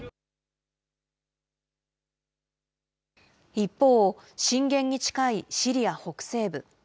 一方、震源に近いシリア北西部。